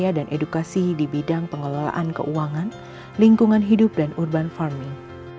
edukasi di bidang pengelolaan keuangan lingkungan hidup dan urban farming